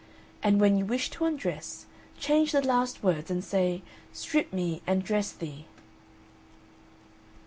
And when you wish to undress, change the last words and say, 'Strip me and dress thee.'"